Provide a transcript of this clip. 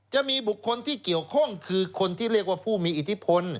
จะมีบุคคลที่เกี่ยวข้องคือคนที่เรียกว่าผู้มีอิทธิพล